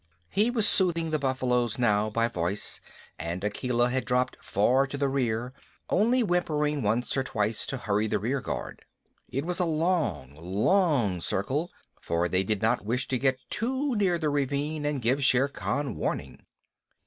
He was soothing the buffaloes now by voice, and Akela had dropped far to the rear, only whimpering once or twice to hurry the rear guard. It was a long, long circle, for they did not wish to get too near the ravine and give Shere Khan warning.